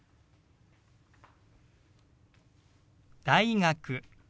「大学」。